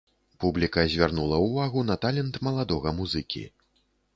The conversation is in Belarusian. Публіка звярнула ўвагу на талент маладога музыкі.